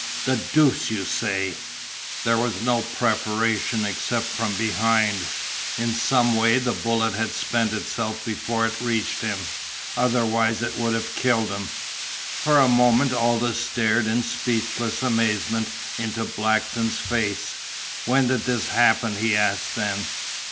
_" "The deuce you say!" "There was no perforation except from behind. In some way the bullet had spent itself before it reached him. Otherwise it would have killed him." For a moment Aldous stared in speechless amazement into Blackton's face. "When did this happen?" he asked then.